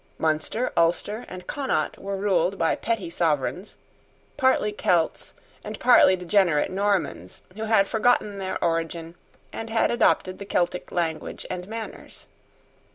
Munster, Ulster, and Connaught were ruled by petty sovereigns, partly Celts, and partly degenerate Normans, who had forgotten their origin and had adopted the Celtic language and manners.